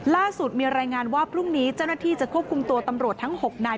ล่าสุดมีรายงานว่าพรุ่งนี้เจ้าหน้าที่จะควบคุมตัวตำรวจทั้ง๖นาย